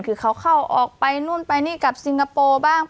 คือเขาเข้าออกไปนู่นไปนี่กับซิงคโปร์บ้าง